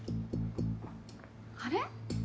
あれ？